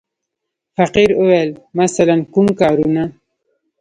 فقیر وویل: مثلاً کوم کارونه.